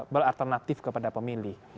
beralternatif kepada pemilih